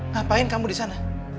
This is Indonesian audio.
ngapain kamu disana